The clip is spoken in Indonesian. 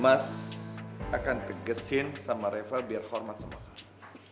mas akan tegessin sama reva biar hormat sama kamu